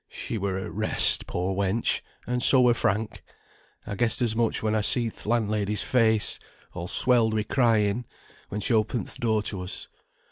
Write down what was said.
"She were at rest, poor wench, and so were Frank. I guessed as much when I see'd th' landlady's face, all swelled wi' crying, when she opened th' door to us.